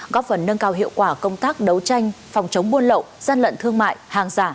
góp phần nâng cao hiệu quả công tác đấu tranh phòng chống buôn lậu gian lận thương mại hàng giả